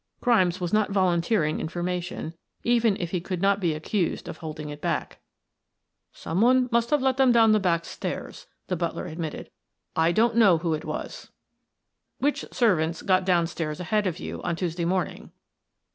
Grimes was not volunteering information, even if he could not be accused of holding it back. "Some one must have let them down the back stairs," the butler admitted. "I don't know who it was." "Which servant got downstairs ahead of you on Tuesday morning?"